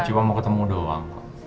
cuma mau ketemu doang